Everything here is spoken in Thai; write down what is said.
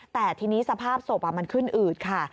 แต่ทีนี้สภาพศพมันขึ้นอืดค่ะ